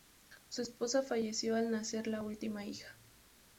Su esposa falleció al nacer la última hija.